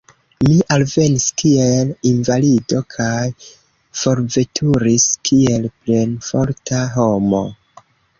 Mi alvenis kiel invalido kaj forveturis kiel plenforta homo.